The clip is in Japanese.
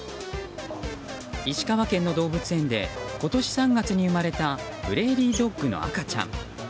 石川県の動物園で今年３月に生まれたプレーリードッグの赤ちゃん。